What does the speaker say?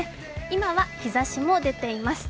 今は日ざしも出ています。